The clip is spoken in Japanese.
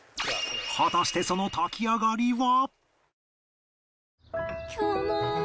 果たしてその炊き上がりは？